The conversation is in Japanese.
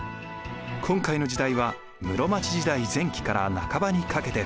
今回の時代は室町時代前期から半ばにかけて。